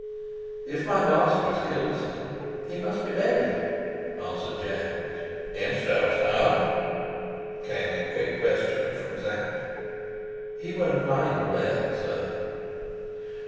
"If my master is killed, sir, he must be buried," answered James. "In Strelsau?" came in quick question from Sapt. "He won't mind where, sir."